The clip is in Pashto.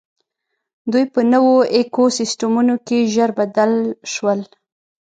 دوی په نوو ایکوسېسټمونو کې ژر بلد شول.